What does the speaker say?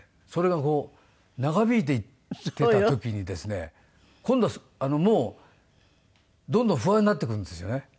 それがこう長引いていってた時にですね今度はもうどんどん不安になってくるんですよね。